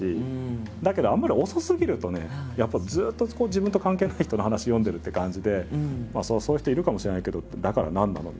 だけどあんまり遅すぎるとねやっぱずっと自分と関係ない人の話読んでるって感じで「そういう人いるかもしれないけどだから何なの？」